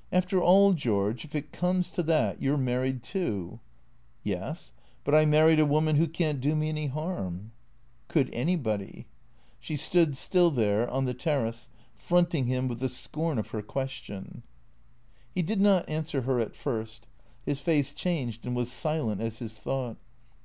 " After all, George, if it comes to that, you 're married too." " Yes. But I married a woman who can't do me any harm." " Could anybody." She stood still there, on the terrace, fronting him with the scorn of her question. He did not answer her at first. His face changed and was silent as his thought.